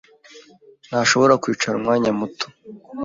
ntashobora kwicara umwanya muto.